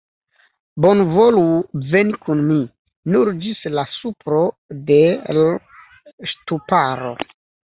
Bonvolu veni kun mi, nur ĝis la supro de l' ŝtuparo.